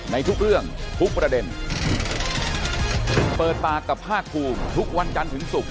ในทุกเรื่องทุกประเด็นเปิดปากกับภาคภูมิทุกวันจันทร์ถึงศุกร์